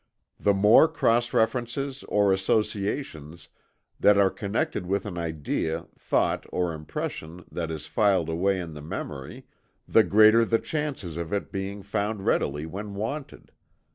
The more cross references, or associations that are connected with an idea, thought or impression that is filed away in the memory, the greater the chances of it being found readily when wanted.